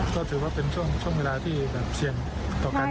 ก็ถือว่าเป็นช่วงเวลาที่เชียงต่อกันใช่ไหม